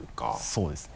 そうですね。